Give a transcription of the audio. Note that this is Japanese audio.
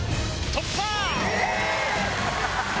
突破！